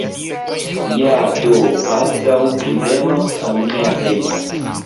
Ja, do, baldaŭ ĝi venos al mia hejmo